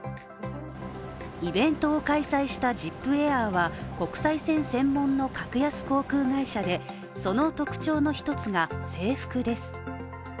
イベントを開催したＺＩＰＡＩＲは国際線専門の格安航空会社でその特徴が制服です。